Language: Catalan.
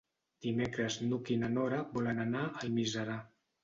Dimecres n'Hug i na Nora volen anar a Almiserà.